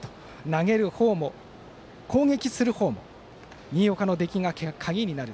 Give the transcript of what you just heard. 投げるほうも攻撃する方も新岡の出来が鍵になる。